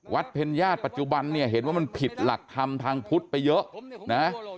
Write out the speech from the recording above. เพ็ญญาติปัจจุบันเนี่ยเห็นว่ามันผิดหลักธรรมทางพุทธไปเยอะนะ